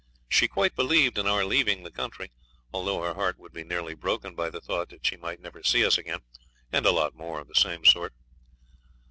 She quite believed in our leaving the country, although her heart would be nearly broken by the thought that she might never see us again, and a lot more of the same sort.